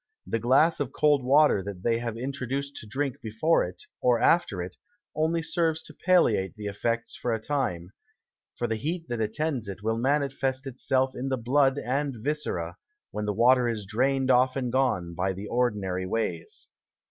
The Glass of cold Water that they have introduced to drink before it, or after it, only serves to palliate the Effects for a Time; for the Heat that attends it, will manifest itself in the Blood and Viscera, when the Water is drain'd off and gone, by the ordinary ways.